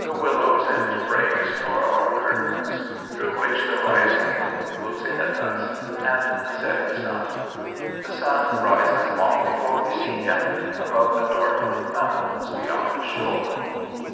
The willows and brakes are our curtains, through which the rising moon looks in at us, and the setting sun; the sun rises long before we see him, above the dark blue mountains beyond the shore.